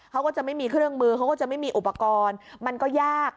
เขาก็จะไม่มีเครื่องมือเขาก็จะไม่มีอุปกรณ์มันก็ยาก